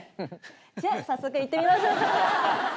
じゃ早速行ってみましょっか。